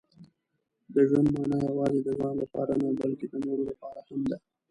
• د ژوند مانا یوازې د ځان لپاره نه، بلکې د نورو لپاره هم ده.